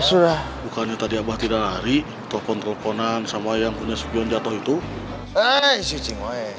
sudah bukannya tadi abah tidak hari atau kontrol konan sama yang punya segi undang itu eh si